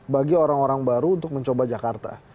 bagi orang orang baru untuk mencoba jakarta